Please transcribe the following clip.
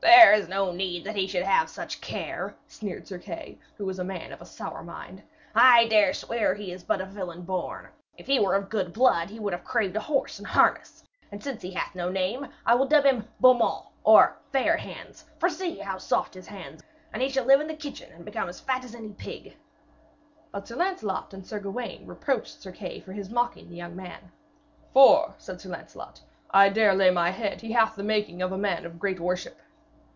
'There is no need that he should have such care,' sneered Sir Kay, who was a man of a sour mind. 'I dare swear that he is but a villein born. If he were of good blood he would have craved a horse and harness. And since he hath no name I will dub him Beaumains, or Fair Hands, for see how soft are his hands! And he shall live in the kitchen, and become as fat as any pig!' But Sir Lancelot and Sir Gawaine reproached Sir Kay for his mocking of the young man, 'for,' said Sir Lancelot, 'I dare lay my head he hath the making of a man of great worship.'